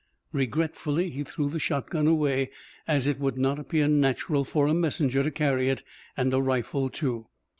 Regretfully he threw the shotgun away, as it would not appear natural for a messenger to carry it and a rifle too.